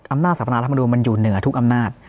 อำนาจสรรพนาธรรมนูลมันอยู่เหนือทุกอำนาจ